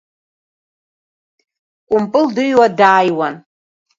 Кәымпыл дыҩуа дааиуан.